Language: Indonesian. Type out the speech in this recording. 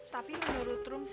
tapi lu nurut rum sih bang